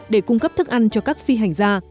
để cung cấp thức ăn cho các phi hành gia